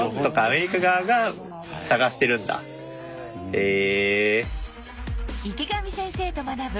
へえ。